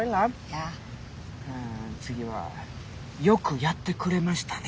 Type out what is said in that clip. うん次は「よくやってくれましたね」。